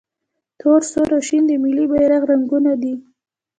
تور، سور او شین د ملي بیرغ رنګونه دي.